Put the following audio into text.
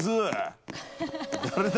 誰だ？